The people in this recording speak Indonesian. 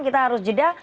kita harus jeda